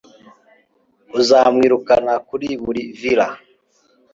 Azamwirukana kuri buri villa